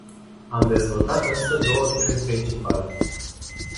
Am dezvoltat însă două teme principale.